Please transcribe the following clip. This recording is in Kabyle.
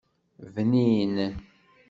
Bnin.